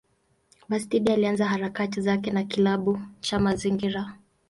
Bastida alianza harakati zake na kilabu cha mazingira.